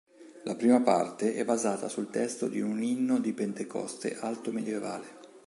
La prima parte è basata sul testo di un inno di pentecoste alto-medioevale.